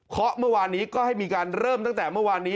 เมื่อวานนี้ก็ให้มีการเริ่มตั้งแต่เมื่อวานนี้